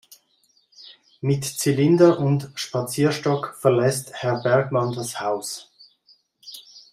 Mit Zylinder und Spazierstock verlässt Herr Bergmann das Haus.